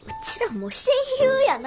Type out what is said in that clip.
もう親友やな。